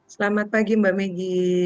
selamat pagi mbak meidi